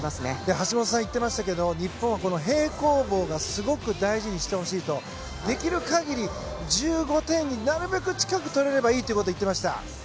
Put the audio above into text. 橋本さんが言っていましたが日本は平行棒を大事にしてほしいとできる限り、１５点なるべく近く取れればいいと言っていました。